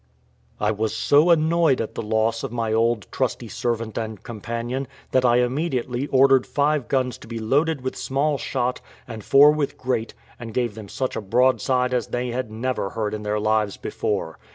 I was so annoyed at the loss of my old trusty servant and companion, that I immediately ordered five guns to be loaded with small shot, and four with great, and gave them such a broadside as they had never heard in their lives before.